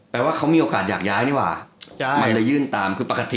แปลว่าเขามีโอกาศอยากย้ายนี่หว่ายื่นตามคือปกติ